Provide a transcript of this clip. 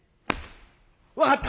「分かった。